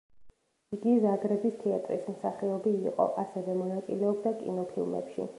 იგი ზაგრების თეატრის მსახიობი იყო, ასევე მონაწილეობდა კინოფილმებში.